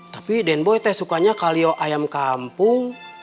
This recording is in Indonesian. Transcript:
tapi den boy teh sukanya kalio ayam kampung